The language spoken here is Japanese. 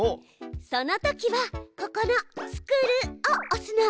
そのときはここの「作る」を押すの。